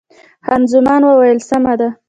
خان زمان وویل، سمه ده.